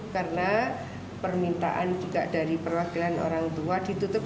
karena permintaan juga dari perwakilan orang tua ditutup